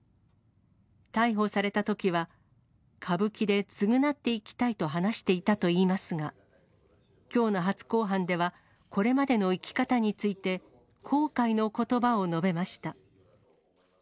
逮捕されたときは、歌舞伎で償っていきたいと話していたといいますが、きょうの初公判では、これまでの生き方について、後悔のことばを述べました。